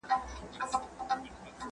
د ارزښتونو په نوم